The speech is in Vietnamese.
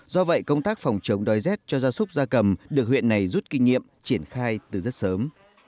do vậy công tác phòng chống đói rét cho gia súc gia cầm được huyện này rút kinh nghiệm triển khai từ rất sớm